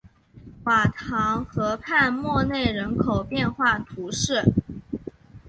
瓦唐河畔默内人口变化图示